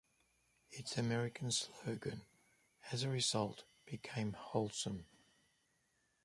Its American slogan, as a result, became Wholesome?